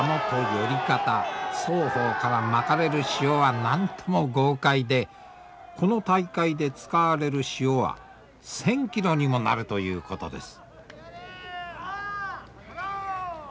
寄方双方からまかれる塩はなんとも豪快でこの大会で使われる塩は１，０００キロにもなるということです。